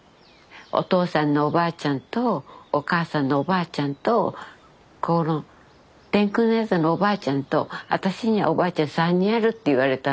「お父さんのおばあちゃんとお母さんのおばあちゃんとこの天空の宿のおばあちゃんと私にはおばあちゃん３人ある」って言われたの。